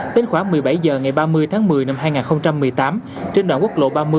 đến khoảng một mươi bảy h ngày ba mươi tháng một mươi năm hai nghìn một mươi tám trên đoạn quốc lộ ba mươi